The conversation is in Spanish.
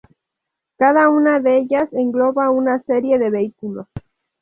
Cada una de ellas engloba una serie de vehículos.